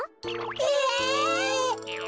え！？